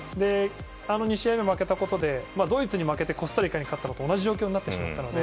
２試合目負けたことでドイツに負けてコスタリカに勝ったのと同じ状況になってしまったので。